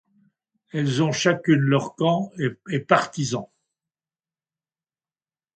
Elles ont chacune leur camp et partisans.